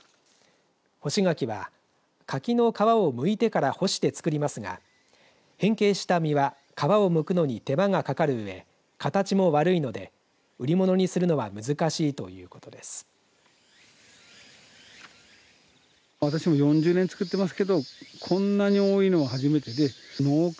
干し柿は、柿の皮をむいてから干して作りますが変形した実は、皮をむくのに手間がかかるうえ、形も悪いので売り物にするのは難しいということです。